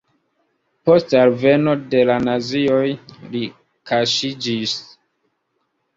Post alveno de la nazioj li kaŝiĝis.